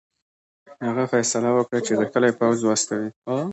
هغه فیصله وکړه چې غښتلی پوځ واستوي.